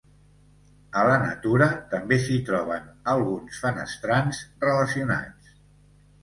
A la natura també s'hi troben alguns fenestrans relacionats.